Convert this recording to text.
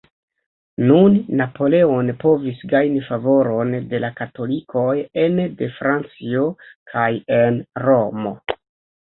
Nun, Napoleon povis gajni favoron de la katolikoj ene de Francio kaj en Romo.